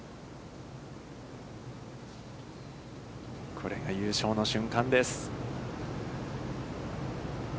これが優勝の瞬間です。